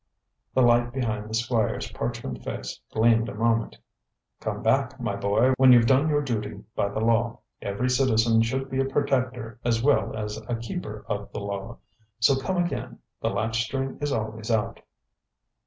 The light behind the squire's parchment face gleamed a moment. "Come back, my boy, when you've done your duty by the law. Every citizen should be a protector as well as a keeper of the law. So come again; the latch string is always out."